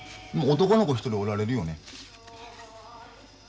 男の子１人おられるよね。